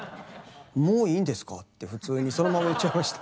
もういいんですか？って普通にそのまま言っちゃいました。